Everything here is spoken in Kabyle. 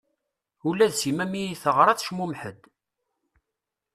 Ula d Sima mi i teɣra tecmumeḥ-d.